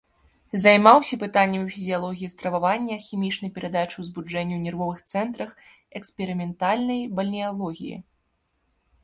Займаўся пытаннямі фізіялогіі стрававання, хімічнай перадачы ўзбуджэння ў нервовых цэнтрах, эксперыментальнай бальнеалогіі.